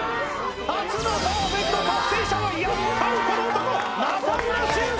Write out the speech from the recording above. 初のパーフェクト達成者はやっぱりこの男、中村俊輔。